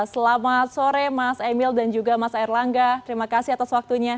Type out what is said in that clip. selamat sore mas emil dan juga mas erlangga terima kasih atas waktunya